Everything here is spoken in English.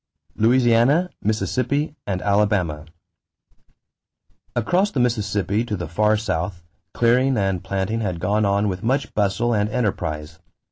=Louisiana, Mississippi, and Alabama.= Across the Mississippi to the far south, clearing and planting had gone on with much bustle and enterprise.